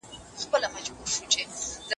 د کورنيو رازونو ساتنه ولي دومره مهمه ده؟